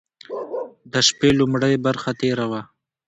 د شپې لومړۍ برخه تېره وه.